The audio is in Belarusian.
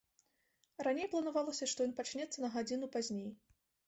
Раней планавалася, што ён пачнецца на гадзіну пазней.